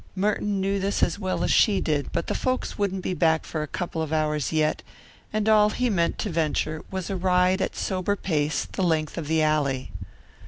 Merton knew this as well as she did, but the folks wouldn't be back for a couple of hours yet, and all he meant to venture was a ride at sober pace the length of the alley.